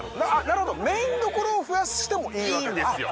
なるほどメインどころを増やしてもいいわけだいいんですよ